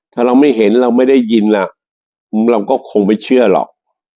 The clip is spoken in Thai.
ถ้าเราไม่เห็นเราไม่ได้ยินล่ะเราก็คงไม่เชื่อหรอก